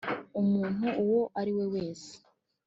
umuntu uwo ariwe wese,